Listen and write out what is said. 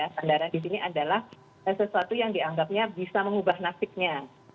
bandara di sini adalah sesuatu yang dianggapnya bisa mengubah nasibnya